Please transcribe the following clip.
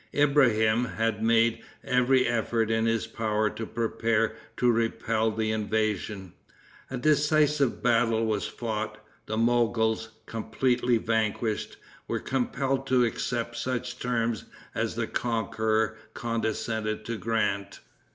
Ibrahim had made every effort in his power to prepare to repel the invasion. A decisive battle was fought. The Mogols, completely vanquished, were compelled to accept such terms as the conqueror condescended to grant.